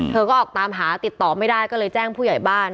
เธอก็ออกตามหาติดต่อไม่ได้ก็เลยแจ้งผู้ใหญ่บ้าน